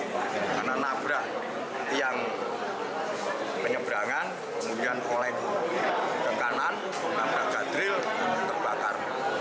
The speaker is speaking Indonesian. karena nabrak yang penyeberangan kemudian oleh ke kanan nabrak gadril dan terbakar